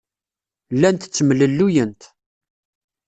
Llant ttemlelluyent.